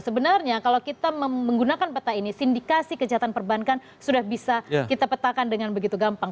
sebenarnya kalau kita menggunakan peta ini sindikasi kejahatan perbankan sudah bisa kita petakan dengan begitu gampang